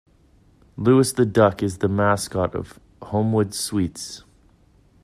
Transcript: Lewis the Duck is the mascot of Homewood Suites.